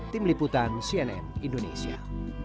tim liputan cnn indonesia